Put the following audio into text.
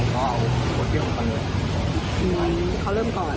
พวกเขาเริ่มก่อน